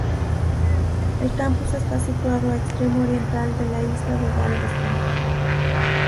El campus está situado a extremo oriental de la isla de Galveston.